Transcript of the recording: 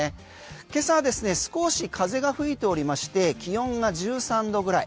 今朝ですね少し風が吹いておりまして気温が１３度ぐらい。